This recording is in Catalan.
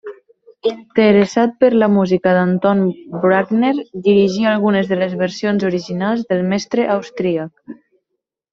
Interessat per la música d'Anton Bruckner, dirigí algunes de les versions originals del mestre austríac.